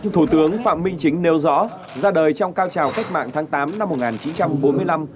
thủ tướng phạm minh chính nêu rõ ra đời trong cao trào cách mạng tháng tám năm một nghìn chín trăm bốn mươi năm